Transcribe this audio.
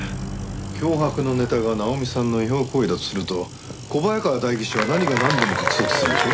脅迫のネタが奈穂美さんの違法行為だとすると小早川代議士は何がなんでも隠そうとするでしょ？